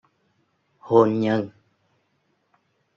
Hôn nhân